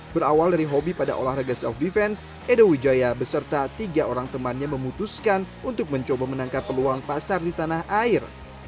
berawal dari hobi pada olahraga se off defense edo wijaya beserta tiga orang temannya memutuskan untuk mencoba menangkap peluang pasar di tanah air